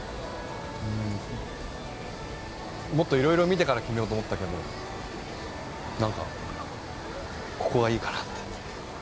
うーんもっといろいろ見てから決めようと思ったけどなんかここがいいかなって。